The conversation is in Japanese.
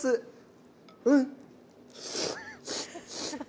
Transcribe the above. うん。